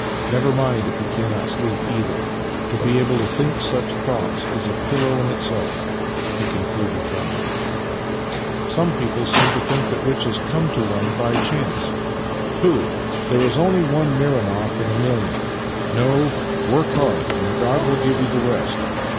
Never mind if you cannot sleep, either. To be able to think such thoughts is a pillow in itself," he concluded proudly. " Some people seem to think that riches come to one by chance. Pooh! There is only one Mironoff in a million. No. Work hard, and God will give you the rest.